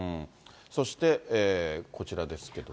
そして、こちらですけども。